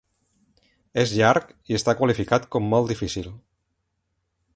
És llarg i està qualificat com "Molt difícil".